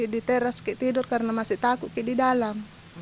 di teras kayak tidur karena masih takut di dalam